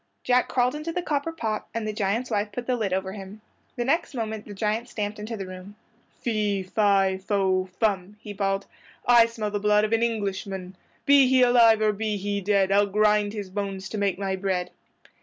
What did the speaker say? Jack crawled into the copper pot and the giant's wife put the lid over him. The next moment the giant stamped into the room. "Fee, fi, fo, fum," he bawled, "I smell the blood of an Englishman; Be he alive or be he dead, I'll grind his bones to make my bread!"